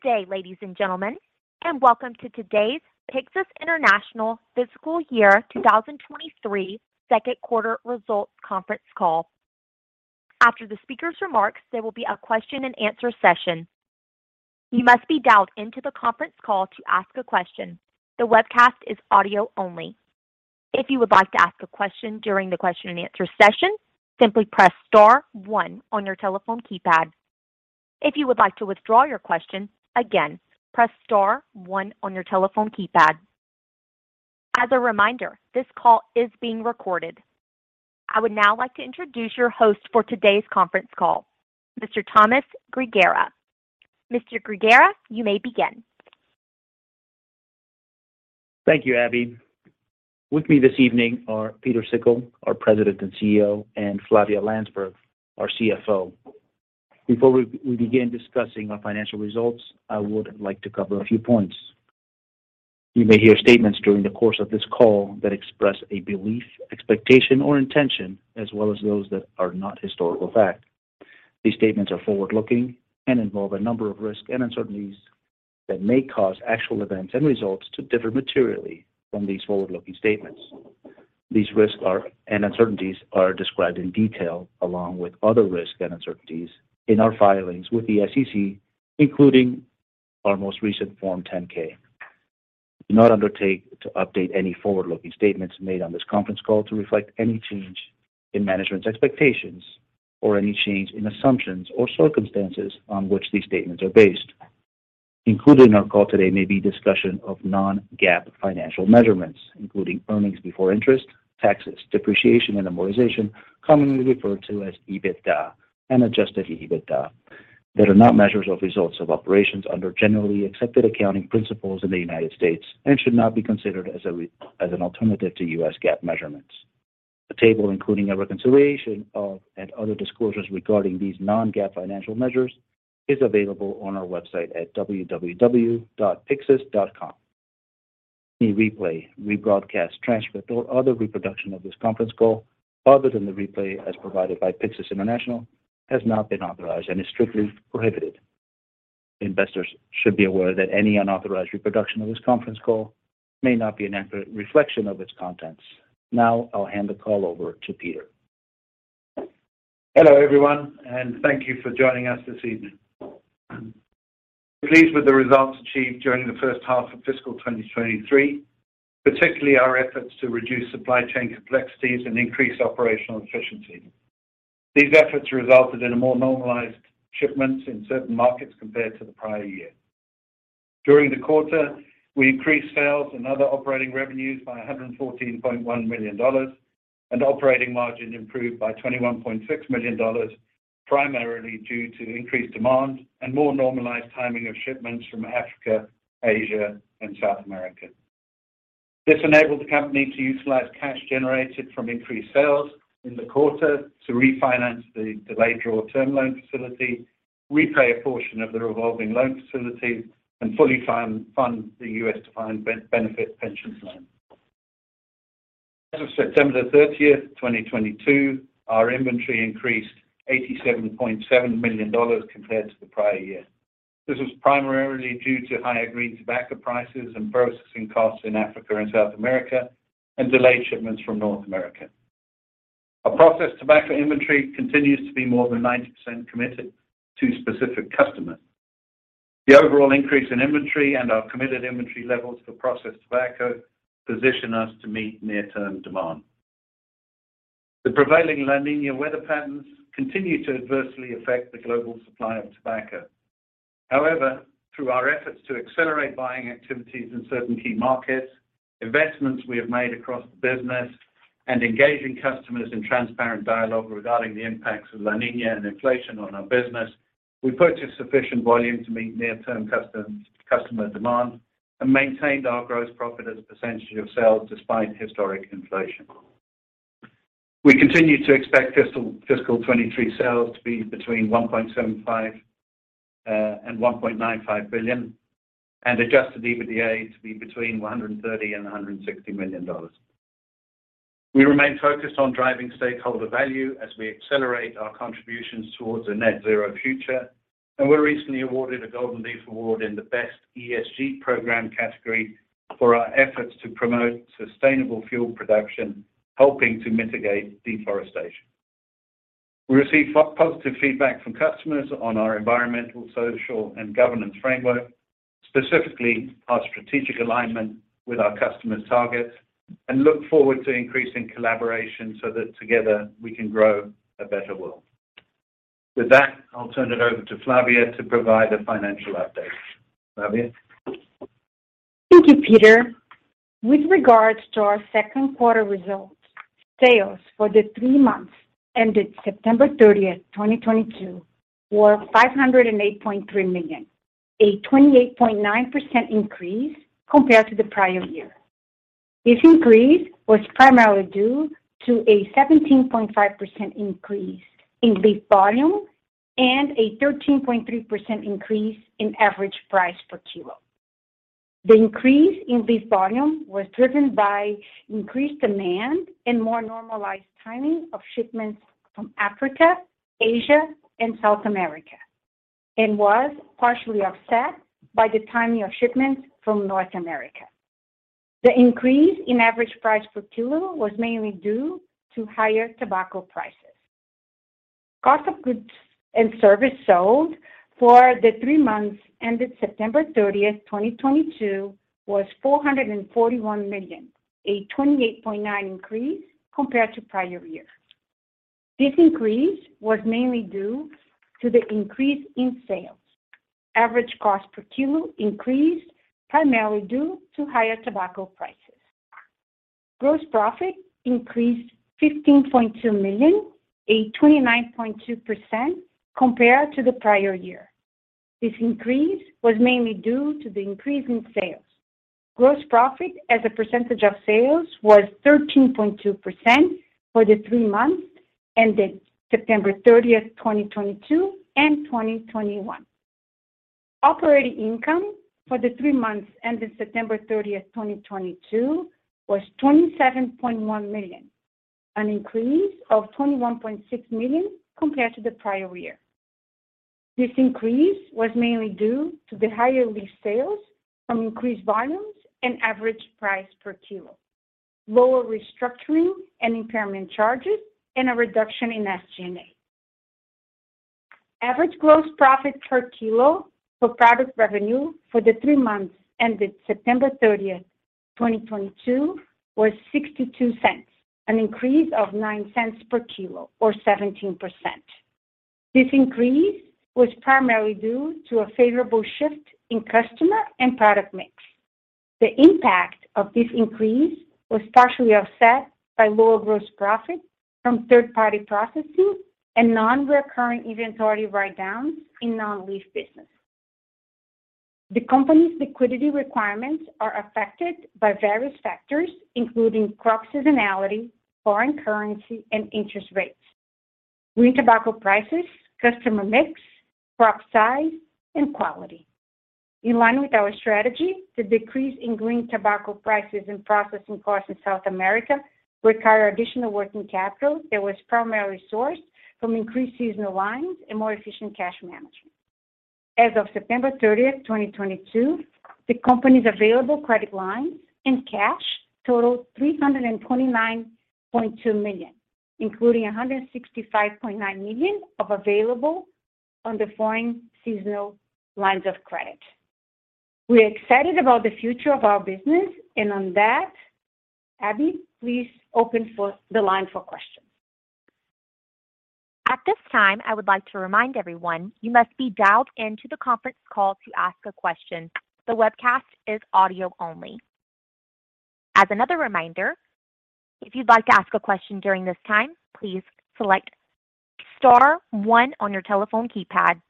Good day, ladies and gentlemen, and welcome to today's Pyxus International Fiscal Year 2023 Second Quarter Results Conference Call. After the speaker's remarks, there will be a question and answer session. You must be dialed into the conference call to ask a question. The webcast is audio only. If you would like to ask a question during the question and answer session, simply press star one on your telephone keypad. If you would like to withdraw your question, again, press star one on your telephone keypad. As a reminder, this call is being recorded. I would now like to introduce your host for today's conference call, Mr. Tomas Grigera. Mr. Grigera, you may begin. Thank you, Abby. With me this evening are Pieter Sikkel, our President and CEO, and Flavia Landsberg, our CFO. Before we begin discussing our financial results, I would like to cover a few points. You may hear statements during the course of this call that express a belief, expectation, or intention, as well as those that are not historical fact. These statements are forward-looking and involve a number of risks and uncertainties that may cause actual events and results to differ materially from these forward-looking statements. These risks and uncertainties are described in detail along with other risks and uncertainties in our filings with the SEC, including our most recent Form 10-K. We do not undertake to update any forward-looking statements made on this conference call to reflect any change in management's expectations or any change in assumptions or circumstances on which these statements are based. Included in our call today may be discussion of non-GAAP financial measurements, including earnings before interest, taxes, depreciation, and amortization, commonly referred to as EBITDA and Adjusted EBITDA, that are not measures of results of operations under generally accepted accounting principles in the United States and should not be considered as an alternative to U.S. GAAP measurements. A table including a reconciliation of, and other disclosures regarding these non-GAAP financial measures is available on our website at www.pyxus.com. Any replay, rebroadcast, transcript, or other reproduction of this conference call other than the replay as provided by Pyxus International has not been authorized and is strictly prohibited. Investors should be aware that any unauthorized reproduction of this conference call may not be an accurate reflection of its contents. Now, I'll hand the call over to Pieter. Hello, everyone, and thank you for joining us this evening. We're pleased with the results achieved during the first half of fiscal 2023, particularly our efforts to reduce supply chain complexities and increase operational efficiency. These efforts resulted in a more normalized shipments in certain markets compared to the prior year. During the quarter, we increased sales and other operating revenues by $114.1 million, and operating margin improved by $21.6 million, primarily due to increased demand and more normalized timing of shipments from Africa, Asia, and South America. This enabled the company to utilize cash generated from increased sales in the quarter to refinance the delayed draw term loan facility, repay a portion of the revolving loan facility, and fully fund the U.S. defined benefit pensions loan. As of September 30, 2022, our inventory increased $87.7 million compared to the prior year. This was primarily due to higher green tobacco prices and processing costs in Africa and South America and delayed shipments from North America. Our processed tobacco inventory continues to be more than 90% committed to specific customers. The overall increase in inventory and our committed inventory levels for processed tobacco position us to meet near-term demand. The prevailing La Niña weather patterns continue to adversely affect the global supply of tobacco. However, through our efforts to accelerate buying activities in certain key markets, investments we have made across the business, and engaging customers in transparent dialogue regarding the impacts of La Niña and inflation on our business, we purchased sufficient volume to meet near-term customer demand and maintained our gross profit as a percentage of sales despite historic inflation. We continue to expect fiscal 2023 sales to be between $1.75 billion and $1.95 billion and Adjusted EBITDA to be between $130 million and $160 million. We remain focused on driving stakeholder value as we accelerate our contributions towards a net zero future, and were recently awarded a Golden Leaf Award in the best ESG program category for our efforts to promote sustainable fuel production, helping to mitigate deforestation. We received positive feedback from customers on our environmental, social, and governance framework, specifically our strategic alignment with our customers' targets, and look forward to increasing collaboration so that together we can grow a better world. With that, I'll turn it over to Flavia to provide a financial update. Flavia? Thank you, Pieter. With regards to our second quarter results, sales for the three months ended September 30, 2022, were $508.3 million, a 28.9% increase compared to the prior year. This increase was primarily due to a 17.5% increase in leaf volume and a 13.3% increase in average price per kilo. The increase in leaf volume was driven by increased demand and more normalized timing of shipments from Africa, Asia, and South America, and was partially offset by the timing of shipments from North America. The increase in average price per kilo was mainly due to higher tobacco prices. Cost of goods and services sold for the three months ended September 30, 2022 was $441 million, a 28.9% increase compared to prior year. This increase was mainly due to the increase in sales. Average cost per kilo increased primarily due to higher tobacco prices. Gross profit increased $15.2 million, a 29.2% compared to the prior year. This increase was mainly due to the increase in sales. Gross profit as a percentage of sales was 13.2% for the three months ended September 30, 2022 and 2021. Operating income for the three months ended September 30, 2022 was $27.1 million, an increase of $21.6 million compared to the prior year. This increase was mainly due to the higher leaf sales from increased volumes and average price per kilo, lower restructuring and impairment charges, and a reduction in SG&A. Average gross profit per kilo for product revenue for the three months ended September 30, 2022 was $0.62, an increase of $0.09 per kilo or 17%. This increase was primarily due to a favorable shift in customer and product mix. The impact of this increase was partially offset by lower gross profit from third-party processing and non-recurring inventory write-downs in non-leaf business. The company's liquidity requirements are affected by various factors, including crop seasonality, foreign currency, and interest rates, green tobacco prices, customer mix, crop size, and quality. In line with our strategy, the decrease in green tobacco prices and processing costs in South America require additional working capital that was primarily sourced from increased seasonal lines and more efficient cash management. As of September 30, 2022, the company's available credit lines and cash totaled $329.2 million, including $165.9 million of available undrawn seasonal lines of credit. We're excited about the future of our business. On that, Abby, please open the line for questions. At this time, I would like to remind everyone you must be dialed into the conference call to ask a question. The webcast is audio only. As another reminder, if you'd like to ask a question during this time, please select star one on your telephone keypad.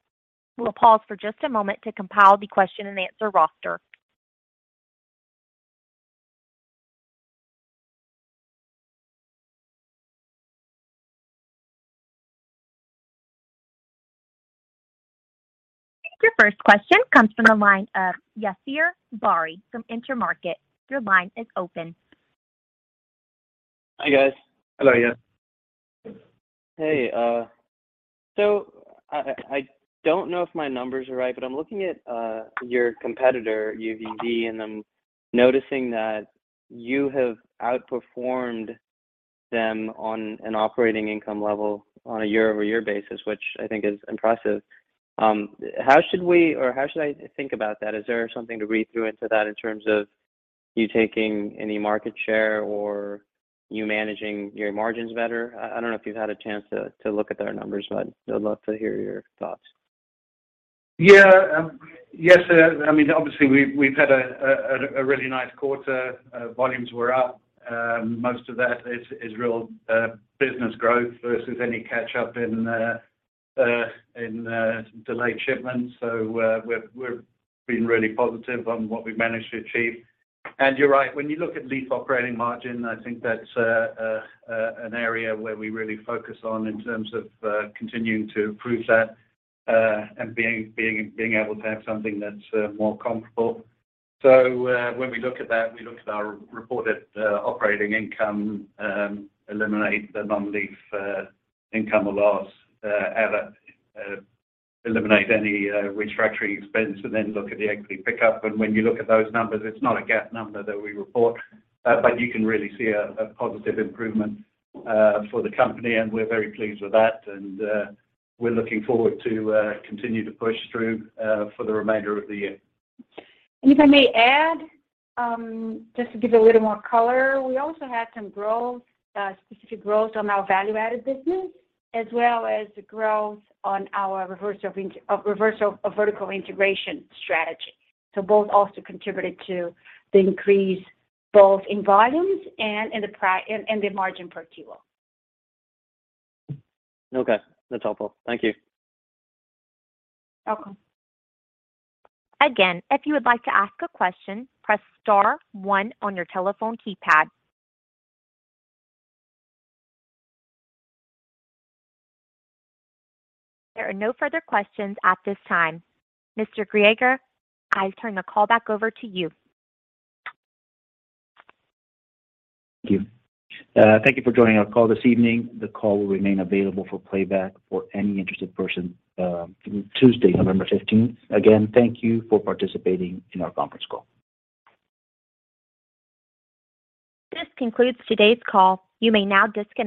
We'll pause for just a moment to compile the question and answer roster. Your first question comes from the line of Yasir Bari from Intermarket. Your line is open. Hi, guys. Hello, Yasir. Hey. I don't know if my numbers are right, but I'm looking at your competitor, Universal Corporation, and I'm noticing that you have outperformed them on an operating income level on a year-over-year basis, which I think is impressive. How should we or how should I think about that? Is there something to read through into that in terms of you taking any market share or you managing your margins better? I don't know if you've had a chance to look at their numbers, but I'd love to hear your thoughts. Yes. I mean, obviously we've had a really nice quarter. Volumes were up. Most of that is real business growth versus any catch-up in delayed shipments. We're being really positive on what we've managed to achieve. You're right, when you look at leaf operating margin, I think that's an area where we really focus on in terms of continuing to improve that and being able to have something that's more comfortable. When we look at that, we look at our reported operating income, eliminate the non-leaf income or loss, eliminate any restructuring expense, and then look at the equity pickup. When you look at those numbers, it's not a GAAP number that we report, but you can really see a positive improvement for the company, and we're very pleased with that. We're looking forward to continue to push through for the remainder of the year. If I may add, just to give a little more color, we also had some growth, specific growth on our value-added business, as well as growth on our reversal of vertical integration strategy. Both also contributed to the increase both in volumes and in the price and the margin per kilo. Okay. That's helpful. Thank you. Welcome. Again, if you would like to ask a question, press star one on your telephone keypad. There are no further questions at this time. Mr. Grigera, I turn the call back over to you. Thank you. Thank you for joining our call this evening. The call will remain available for playback for any interested person through Tuesday, November fifteenth. Again, thank you for participating in our conference call. This concludes today's call. You may now disconnect.